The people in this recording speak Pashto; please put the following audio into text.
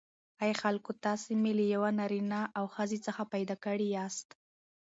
ای خلکو تاسی می له یوه نارینه او ښځی څخه پیداکړی یاست